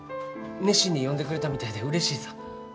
熱心に読んでくれたみたいでうれしいさ。